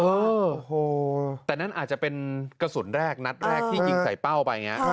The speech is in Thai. โอ้โหแต่นั่นอาจจะเป็นกระสุนแรกนัดแรกที่ยิงใส่เป้าไปอย่างนี้